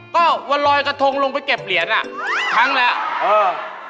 ก็วันลอยกระทงลงไปเก็บเหรียญอ่ะครั้งแล้วเออ